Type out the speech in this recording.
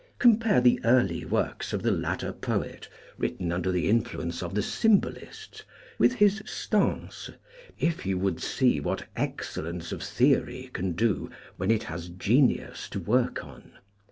Compare the early works of the latter poet, written under the influence of the Symbolists, with his " Stances," if you would see what excellence 2 4 o CRITICAL STUDIES of theory can do when it has genius to work on.